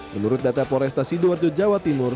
menurut data porestasi sidoarjo jawa timur